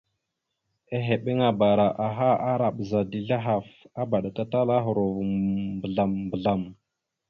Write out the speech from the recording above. Ehebeŋabara aha ara bəza dezl ahaf, abaɗakatalara ohərov mbəzlam- mbəzlam.